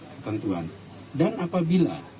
ketentuan dan apabila